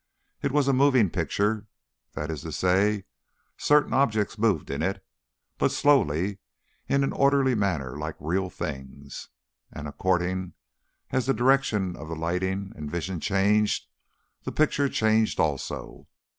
It was a moving picture: that is to say, certain objects moved in it, but slowly in an orderly manner like real things, and, according as the direction of the lighting and vision changed, the picture changed also.